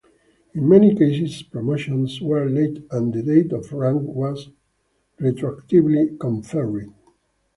In many cases promotions were late and the date of rank was retroactively conferred.